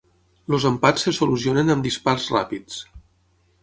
Els empats se solucionen amb dispars ràpids.